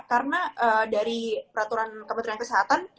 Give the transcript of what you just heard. karena dari peraturan kementerian kesehatan